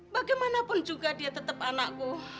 bagaimanapun juga dia tetap anakku